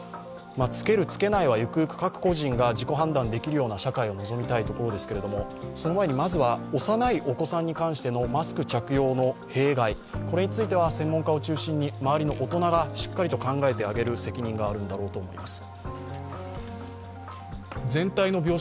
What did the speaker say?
着ける、着けないはゆくゆく個人が自己判断できる社会を望みたいと思いますけれども、その前に、まずは幼いお子さんに関してのマスク着用の弊害については専門家を中心に周りの大人がしっかりと考えてあげる必要があるんだろうと思います。